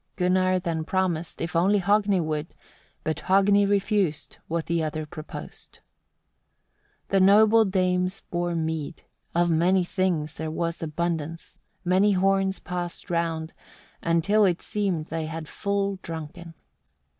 Gunnar then promised, if only Hogni would, but Hogni refused what the other proposed. 8. The noble dames bore mead, of many things there was abundance, many horns passed round, until it seemed they had full drunken.